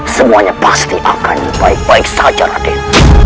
semuanya pasti akan baik baik saja raden